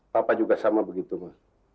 papa juga sama begitu mas